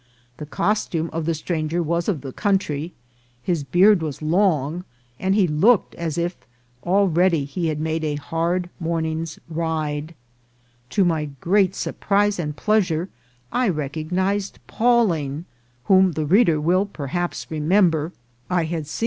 The costume of the stranger was of the country ; his beard was long, and he looked as if already he had made a hard morning's ride. To my great surprise and pleasure I recognised Pawling, whom the reader will perhaps remember I had seen as •*•<}//« it Hf It 7>/iv. // V.